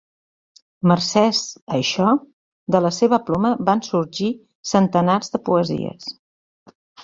Mercès a això, de la seva ploma van sorgir centenars de poesies.